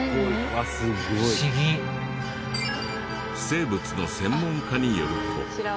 生物の専門家によると。